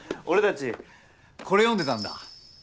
俺たちこれ読んでたんだ。